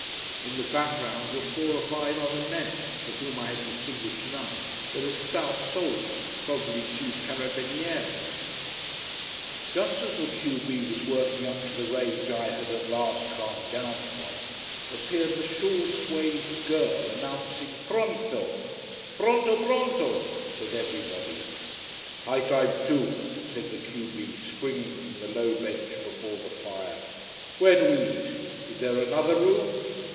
In the background were four or five other men, of whom I had distinguished none but a stout soldier, probably chief carabiniere. Just as the q b was working up to the rage I had at last calmed down from, appeared the shawl swathed girl announcing "Pronto!" "Pronto! Pronto!" said everybody. "High time, too," said the q b, springing from the low bench before the fire. "Where do we eat? Is there another room?"